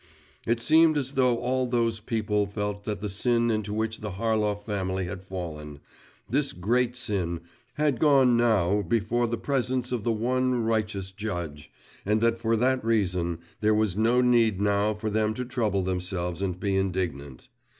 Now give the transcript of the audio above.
It seemed as though all those people felt that the sin into which the Harlov family had fallen this great sin had gone now before the presence of the one righteous Judge, and that for that reason, there was no need now for them to trouble themselves and be indignant.